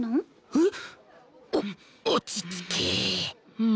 えっ？